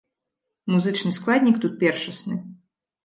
Музычны складнік тут першасны.